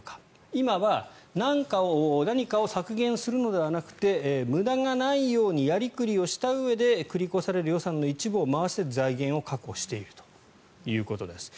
今は何かを削減するのではなくて無駄がないようにやりくりをしたうえで繰り越される予算の一部を回して財源を確保しているということです。